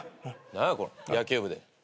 何やこれ野球部で。